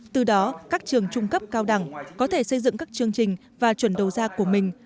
từ đó các trường trung cấp cao đẳng có thể xây dựng các chương trình và chuẩn đầu ra của mình